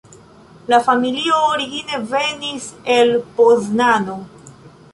La familio origine venis el Poznano.